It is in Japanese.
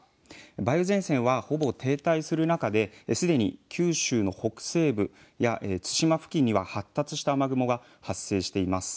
梅雨前線はほぼ停滞する中ですでに九州の北西部や対馬付近には発達した雨雲が発生しています。